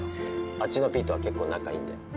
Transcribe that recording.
あっちのＰとは結構仲いいんで。